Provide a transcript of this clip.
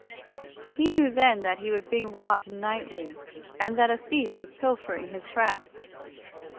He knew then that he was being robbed nightly, and that a thief was pilfering his traps.